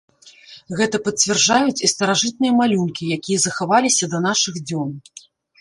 Гэта пацвярджаюць і старажытныя малюнкі, якія захаваліся да нашых дзён.